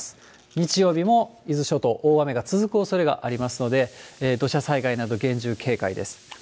日曜日も伊豆諸島、大雨が続くおそれがありますので、土砂災害など厳重警戒です。